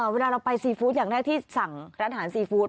เวลาเราไปซีฟู้ดอย่างแรกที่สั่งร้านอาหารซีฟู้ด